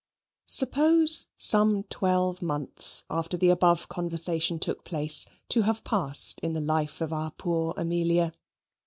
Suppose some twelve months after the above conversation took place to have passed in the life of our poor Amelia.